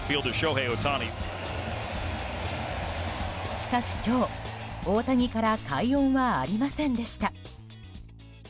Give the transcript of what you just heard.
しかし今日、大谷から快音はありませんでした。